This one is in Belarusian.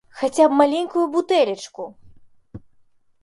Хаця б маленькую бутэлечку!